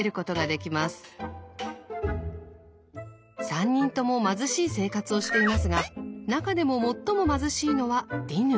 ３人とも貧しい生活をしていますが中でも最も貧しいのはディヌ。